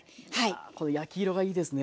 いやこの焼き色がいいですね。